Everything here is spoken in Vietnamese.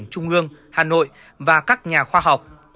cung ương hà nội và các nhà khoa học